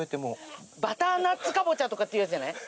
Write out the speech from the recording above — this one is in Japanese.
バターナッツかぼちゃとかっていうやつじゃない？